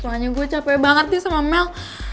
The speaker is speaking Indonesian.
pokoknya gue capek banget deh sama mel